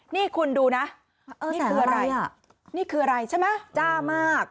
นี่คุณดูนะเออเสร็จอะไรนี่คืออะไรใช่เปล่าอร่อยมาก